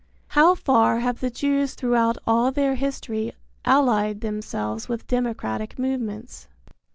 How far have the Jews throughout all their history allied themselves with democratic movements?